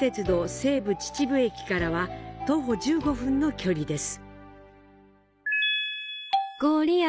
西武秩父駅からは徒歩１５分の距離です。